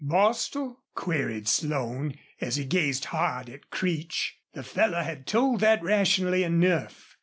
"Bostil?" queried Slone, as he gazed hard at Creech. The fellow had told that rationally enough.